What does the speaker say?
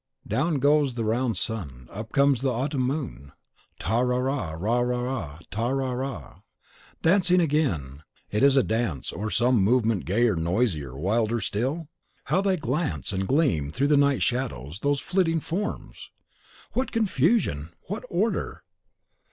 Down goes the round sun; up comes the autumn moon. Tara, tara, rarara, rarara, tarara ra! Dancing again; is it a dance, or some movement gayer, noisier, wilder still? How they glance and gleam through the night shadows, those flitting forms! What confusion! what order!